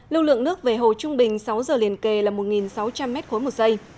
lưu lượng nước về hồ trung bình sáu giờ liền kề là một sáu trăm linh m ba một giây